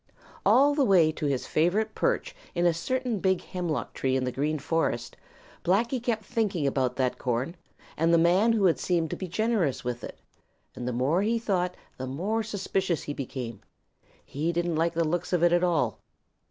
All the way to his favorite perch in a certain big hemlock tree in the Green Forest, Blacky kept thinking about that corn and the man who had seemed to be generous with it, and the more he thought, the more suspicious he became. He didn't like the looks of it at all.